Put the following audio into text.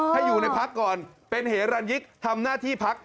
ให้อยู่ในพักก่อนเป็นเหรันยิกทำหน้าที่พัก